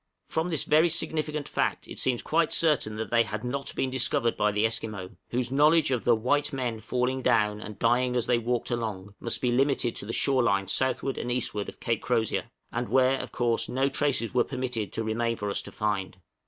From this very significant fact it seems quite certain that they had not been discovered by the Esquimaux, whose knowledge of the "white men falling down and dying as they walked along" must be limited to the shore line southward and eastward of Cape Crozier, and where, of course, no traces were permitted to remain for us to find.